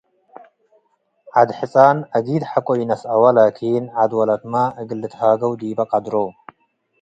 ዐድ ሕጻን አጊድ ሐቆ ኢነስአወ ላኪን ዐድ ወለትመ እግል ልትሃገው ዲበ ቀድሮ ።